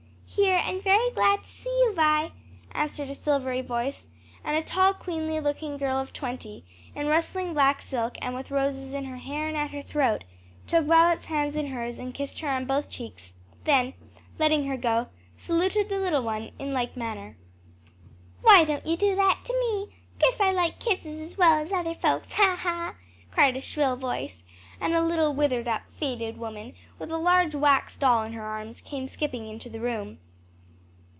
"Here, and very glad to see you, Vi," answered a silvery voice, and a tall, queenly looking girl of twenty, in rustling black silk and with roses in her hair and at her throat, took Violet's hands in hers and kissed her on both cheeks, then letting her go, saluted the little one in like manner. "Why don't you do that to me? guess I like kisses as well as other folks, ha! ha!" cried a shrill voice, and a little withered up, faded woman with a large wax doll in her arms, came skipping into the room.